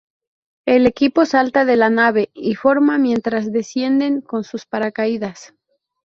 El equipo salta de la nave y forma mientras descienden con sus paracaídas.